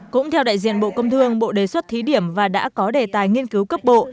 cũng theo đại diện bộ công thương bộ đề xuất thí điểm và đã có đề tài nghiên cứu cấp bộ